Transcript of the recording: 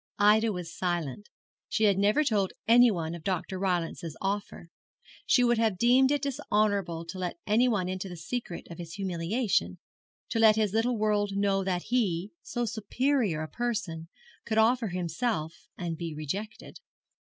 Ida was silent. She had never told anyone of Dr. Rylance's offer. She would have deemed it dishonourable to let anyone into the secret of his humiliation to let his little world know that he, so superior a person, could offer himself and be rejected.